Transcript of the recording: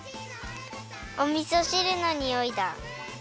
おみそしるのにおいだ。